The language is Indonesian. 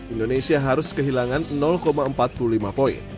indonesia harus kehilangan empat puluh lima poin